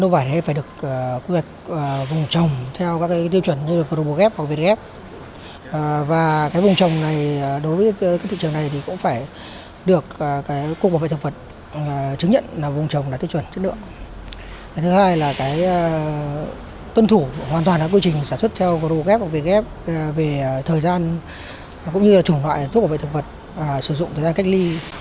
về thời gian cũng như là chủng loại thuốc bảo vệ thực vật sử dụng thời gian cách ly